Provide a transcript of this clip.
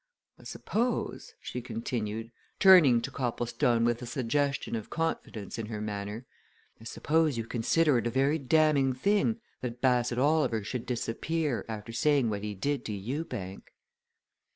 I suppose," she continued, turning to Copplestone with a suggestion of confidence in her manner, "I suppose you consider it a very damning thing that Bassett Oliver should disappear, after saying what he did to Ewbank."